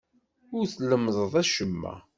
Ur tlemmdeḍ acemma.